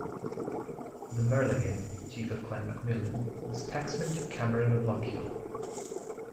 The Murlagan, chief of Clan MacMillan was tacksman to Cameron of Lochiel.